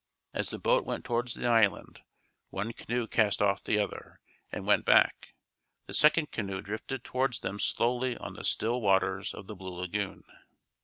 As the boat went towards the island, one canoe cast off the other, and went back; the second canoe drifted towards them slowly on the still waters of the blue lagoon.